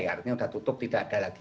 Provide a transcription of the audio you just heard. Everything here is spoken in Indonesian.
artinya sudah tutup tidak ada lagi